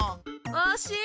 おしい。